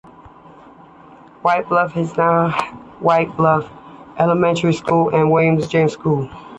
White Bluff now has White Bluff Elementary School and Williams James School.